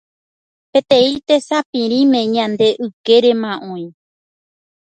peteĩ tesapirĩme ñande ykérema oĩ